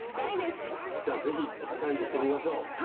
じゃあ是非ちょっとチャレンジしてみましょう。